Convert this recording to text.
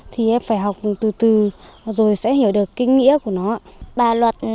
thì em phải học từ từ rồi sẽ hiểu được kinh nghĩa của nó ạ